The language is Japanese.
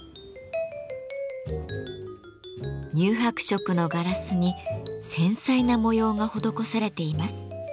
乳白色のガラスに繊細な模様が施されています。